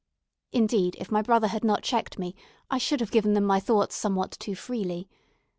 Indeed, if my brother had not checked me, I should have given them my thoughts somewhat too freely.